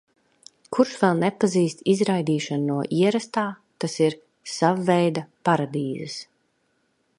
Kurš vēl nepazīst izraidīšanu no ierastā, tas ir – savveida paradīzes.